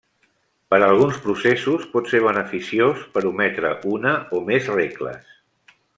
Per alguns processos, pot ser beneficiós per ometre una o més regles.